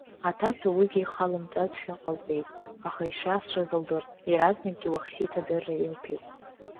Аҭаца уигьы халымҵазшәа ҟалҵеит, аха ишиашаз лдырт, иаразнакгьы Уахсиҭ адырра илҭеит.